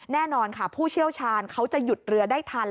แน่นอนค่ะผู้เชี่ยวชาญเขาจะหยุดเรือได้ทัน